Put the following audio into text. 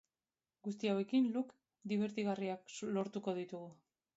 Guzti hauekin look dibertigarriak lortuko ditugu.